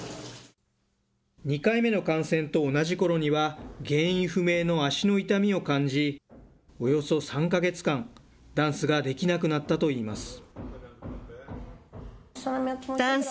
２回目の感染と同じころには、原因不明の足の痛みを感じ、およそ３か月間、ダンスができなくなったといいます。